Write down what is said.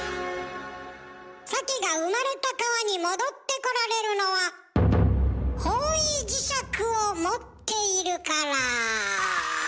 サケが生まれた川に戻ってこられるのは方位磁石を持っているから。